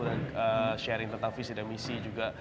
dan sharing tentang visi dan misi juga